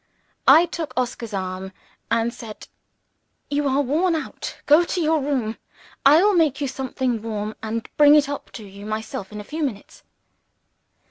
I took Oscar's arm, and said, "You are worn out. Go to your room. I will make you something warm and bring it up to you myself in a few minutes."